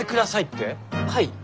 はい。